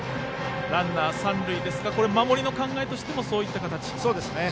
ランナーは三塁ですが守りの考えとしてもそういった形ですか。